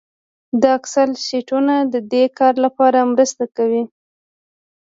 د اکسل شیټونه د دې کار لپاره مرسته کوي